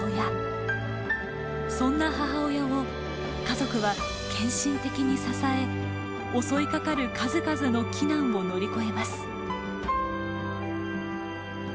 そんな母親を家族は献身的に支え襲いかかる数々の危難を乗り越えます。